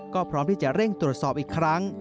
ก็พร้อมที่จะเร่งตรวจสอบอีกครั้ง